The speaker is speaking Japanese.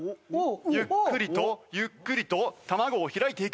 ゆっくりとゆっくりと卵を開いていく。